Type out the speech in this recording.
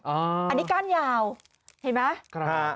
อันนี้ก้านยาวเห็นไหม